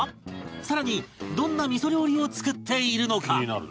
さらにどんな味噌料理を作っているのか？